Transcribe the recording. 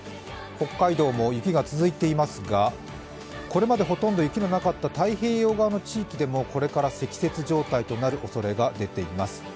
北海道も雪が続いていますが、これまでほとんど雪のなかった太平洋側の地域でもこれから積雪状態となるおそれが出ています。